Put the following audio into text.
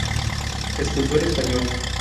Escultor español.